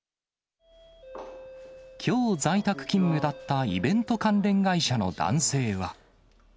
きょう、在宅勤務だったイベント関連会社の男性は。